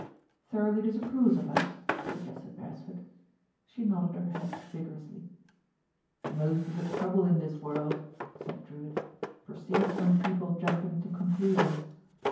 "Thoroughly disapproves of us," suggested Beresford. She nodded her head vigorously. "Most of the trouble in this world," said Drewitt, "proceeds from people jumping to conclusions.